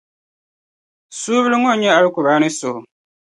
Suurili ŋɔ n-nyɛ Alkur’aani suhu.